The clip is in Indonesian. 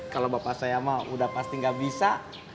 kalau bapak saya mau udah pasti gak bisa